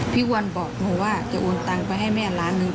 พี่วันบอกหนูว่าจะโอนตังไปให้แม่ล้านหนึ่ง